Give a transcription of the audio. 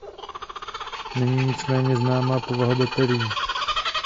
Není nicméně známa povaha baterií.